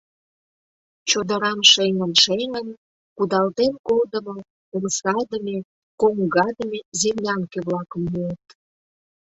Чодырам шеҥын-шеҥын, кудалтен кодымо, омсадыме, коҥгадыме землянке-влакым муыт.